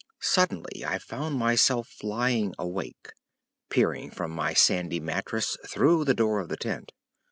II. Suddenly I found myself lying awake, peering from my sandy mattress through the door of the tent.